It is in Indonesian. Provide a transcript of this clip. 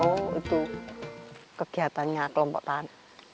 oh itu kegiatannya kelompok tani